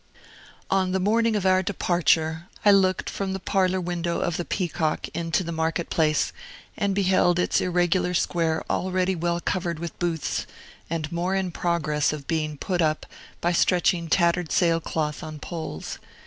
On the morning of our departure, I looked from the parlor window of the Peacock into the market place, and beheld its irregular square already well covered with booths, and more in progress of being put up, by stretching tattered sail cloth on poles.